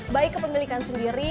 baik kepemilikan sendiri